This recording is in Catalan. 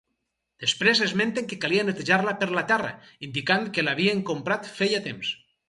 Després esmenten que calia netejar-la per la terra, indicant que l'havien comprat feia temps.